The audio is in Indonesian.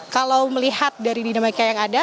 kalau melihat dari dinamika yang ada